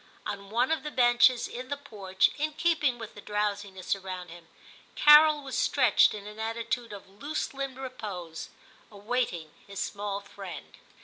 On one of the benches in the porch, in keep ing with the drowsiness around him, Carol was stretched in an attitude of loose limbed repose, awaiting his small friend.